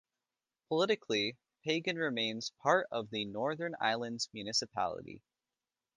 Politically, Pagan remains part of the Northern Islands Municipality.